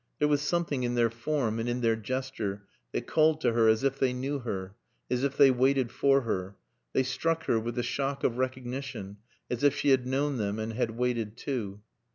There was something in their form and in their gesture that called to her as if they knew her, as if they waited for her; they struck her with the shock of recognition, as if she had known them and had waited too.